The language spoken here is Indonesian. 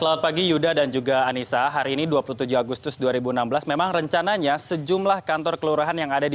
apa yang anda inginkan dikembangkan kali ini